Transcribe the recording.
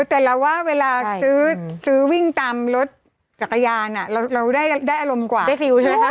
แต่เราว่าเวลาซื้อซื้อวิ่งตำรถจักรยานอ่ะเราเราได้ได้อารมณ์กว่าได้ฟิวใช่ไหมครับ